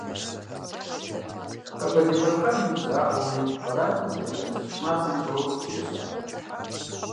Къэбэрдей-Балъкъэрым имызакъуэуи, къэралым и дэтхэнэ зы щӏыналъэми щӏэупщӏэ щиӏэщ абы.